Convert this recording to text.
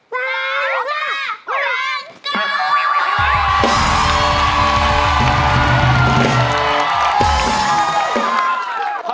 สาวสาวแกงกาว